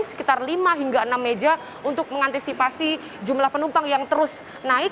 sekitar lima hingga enam meja untuk mengantisipasi jumlah penumpang yang terus naik